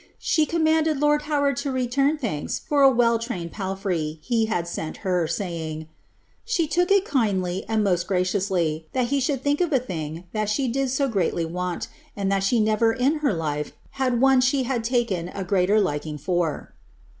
She commanded lord Howard to rciuni ilianks for a well traioed palfrey she had sent tier, saj'ing, " she look ii kindly and most gra ciously, that be should think of a thing (hat she did so greatly want, and that she never in her life had one she had taken a greater liking for.